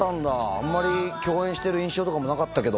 あんまり共演してる印象とかもなかったけど。